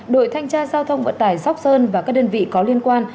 đội thanh tra giao thông vận tải sóc sơn và các đơn vị có liên quan